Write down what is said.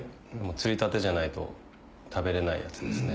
釣りたてじゃないと食べれないやつですね。